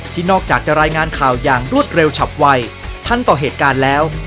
นอกจากจะรายงานข่าวอย่างรวดเร็วฉับไวทันต่อเหตุการณ์แล้ว